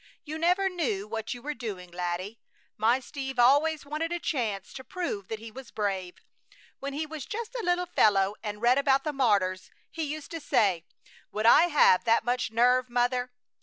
"You never knew what you were doing, laddie! My Steve always wanted a chance to prove that he was brave. When he was just a little fellow and read about the martyrs, he used to say: 'Would I have that much nerve, mother?